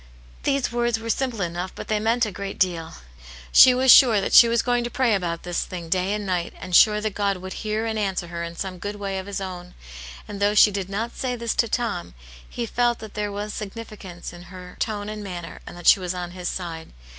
These words were simple enough, but they meant a great deal ; she was sure that she was going to pray about this thing day and night, and sure that God would hear and answer her in some good way of His own. And though she did not say this to Tom, he felt that there was significance in her tone and manner, and that she was on his side.